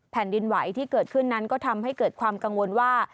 แผ่นดินไหวที่เกิดขึ้นนั้นก็ทำให้เกิดความกังวลว่า